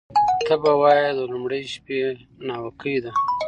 ته به وایې د لومړۍ شپې ناوکۍ ده